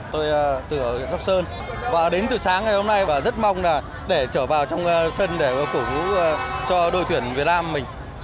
tôi từ sóc sơn và đến từ sáng ngày hôm nay và rất mong là để trở vào trong sân để cổ vũ cho đội tuyển việt nam mình